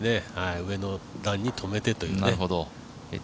上の段にとめてという。